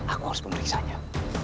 aku harus pemeriksaannya